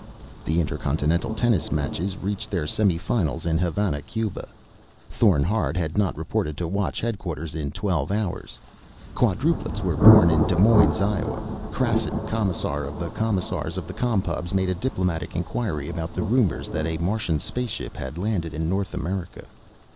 The inter continental tennis matches reached their semi finals in Havana, Cuba. Thorn Hard had not reported to Watch headquarters in twelve hours. Quadruplets were born in Des Moines, Iowa. Krassin, Commissar of Commissars of the Com Pubs, made a diplomatic inquiry about the rumors that a Martian space ship had landed in North America.